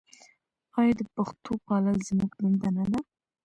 آیا د پښتو پالل زموږ دنده نه ده؟